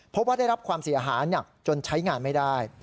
พบว่าได้รับความเสียหายหนักจนใช้งานไม่ได้